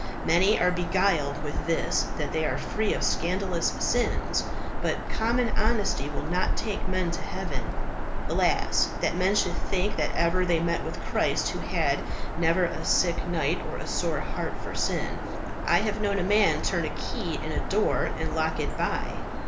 Many are beguiled with this that they are free of scandalous sins. But common honesty will not take men to heaven. Alas! that men should think that ever they met with Christ who had never a sick night or a sore heart for sin. I have known a man turn a key in a door and lock it by."